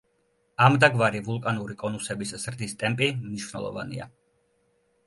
ამდაგვარი ვულკანური კონუსების ზრდის ტემპი მნიშვნელოვანია.